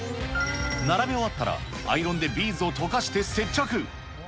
並べ終わったら、アイロンでビーズを溶かして接着。